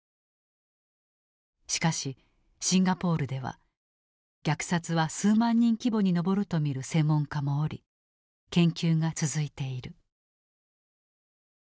しかしシンガポールでは虐殺は数万人規模に上ると見る専門家もおり研究が続いている。